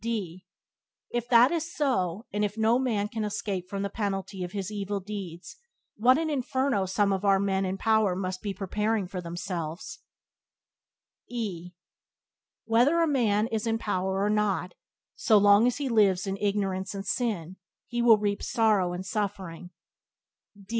Byways to Blessedness by James Allen 45 D If that is so, and if no man can escape from the penalty of his evil deeds, what an inferno some of our men in power must be preparing for themselves. E Whether a man is in power or not, so long as he lives in ignorance and sin, he will reap sorrow and suffering.